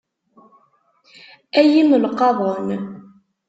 Ay imelqaḍen.